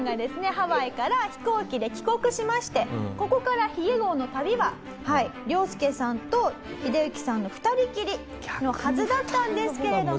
ハワイから飛行機で帰国しましてここから髭号の旅はリョウスケさんとヒデユキさんの２人きりのはずだったんですけれども。